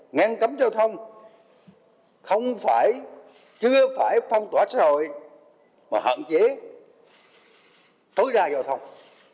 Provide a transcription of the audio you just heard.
ngăn cấm giao thông không phải chưa phải phong tỏa xã hội mà hạn chế tối đa giao thông